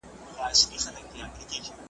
ګناه ستا ده او همدغه دي سزا ده ,